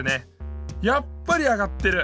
やっぱり上がってる。